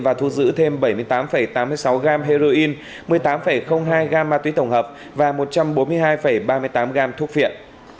và thu giữ thêm bảy mươi tám tám mươi sáu g heroin một mươi tám hai gam ma túy tổng hợp và một trăm bốn mươi hai ba mươi tám gram thuốc viện